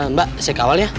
mbak saya ke awalnya